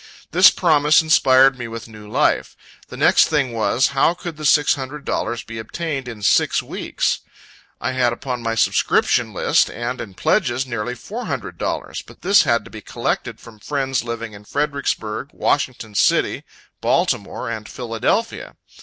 This promise inspired me with new life. The next thing was, how could the six hundred dollars be obtained in six weeks. I had upon my subscription list and in pledges nearly four hundred dollars. But this had to be collected from friends living in Fredericksburg, Washington city, Baltimore, and Philadelphia.